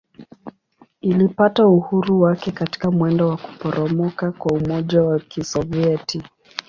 Ilipata uhuru wake katika mwendo wa kuporomoka kwa Umoja wa Kisovyeti.